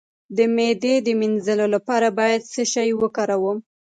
د معدې د مینځلو لپاره باید څه شی وکاروم؟